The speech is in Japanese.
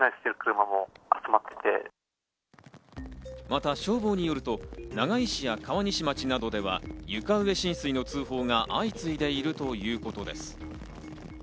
また消防によると長井市や川西町などでは床上浸水の通報が相次いでいるということです。